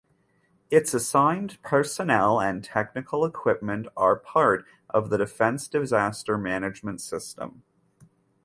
Its assigned personnel and technical equipment are part of the Defense Disaster Management System.